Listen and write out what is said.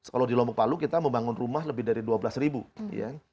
kalau di lombok palu kita membangun rumah lebih dari dua belas ribu ya